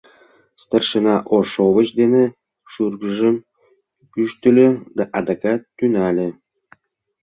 Старшина ош шовыч дене шӱргыжым ӱштыльӧ да адакат тӱҥале.